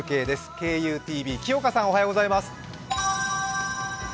ＫＵＴＶ木岡さん、おはようございます。